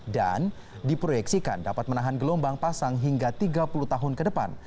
dan diproyeksikan dapat menahan gelombang pasang hingga tiga puluh tahun ke depan